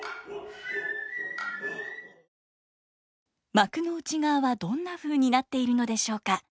幕の内側はどんなふうになっているのでしょうか。